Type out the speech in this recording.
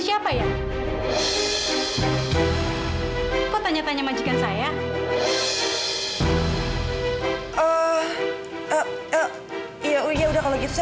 tapi beneran deh ma